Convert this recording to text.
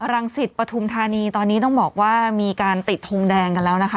รังสิตปฐุมธานีตอนนี้ต้องบอกว่ามีการติดทงแดงกันแล้วนะคะ